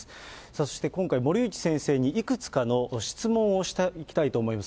そして今回、森内先生にいくつかの質問をしていきたいと思います。